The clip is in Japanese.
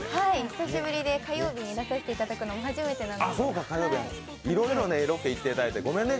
久しぶりで、火曜日に出させていただくの初めてなんで。